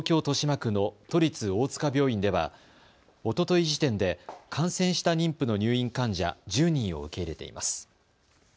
豊島区の都立大塚病院ではおととい時点で、感染した妊婦の入院患者、１０人を受け入れています。